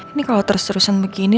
ini kalau terus terusan begini